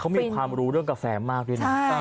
เขามีความรู้เรื่องกาแฟมากด้วยนะ